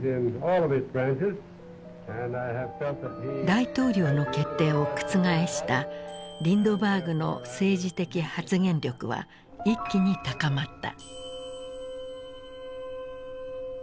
大統領の決定を覆したリンドバーグの政治的発言力は一気に高まった。